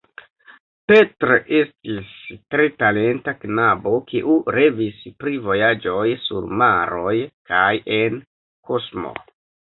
Petr estis tre talenta knabo, kiu revis pri vojaĝoj sur maroj kaj en kosmo.